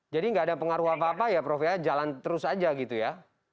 jadi nggak ada pengaruh apa apa ya prof ya jalan terus aja gitu ya